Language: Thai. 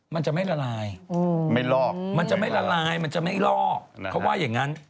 มันจะไม่ละลายไม่ลอกมันจะไม่ละลายมันจะไม่ลอกเขาว่าอย่างนั้น